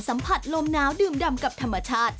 สัมผัสลมหนาวดื่มดำกับธรรมชาติ